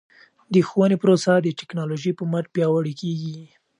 د ښوونې پروسه د ټکنالوژۍ په مټ پیاوړې کیږي.